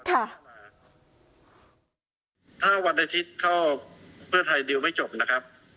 ถ้าวันอาทิตย์เข้าเพื่อไทยดิวไม่จบนะครับ